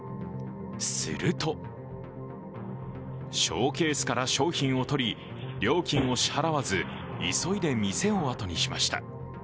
すると、ショーケースから商品をとり料金を支払わず、急いで店をあとにしました。